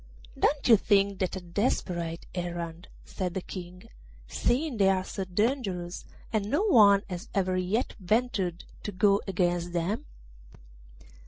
'Don't you think that a desperate errand?' said the King, 'seeing they are so dangerous, and no one has ever yet ventured to go against them?